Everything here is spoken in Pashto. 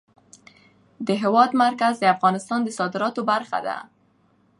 د هېواد مرکز د افغانستان د صادراتو برخه ده.